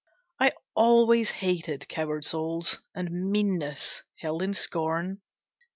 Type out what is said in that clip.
I always hated coward souls, And meanness held in scorn.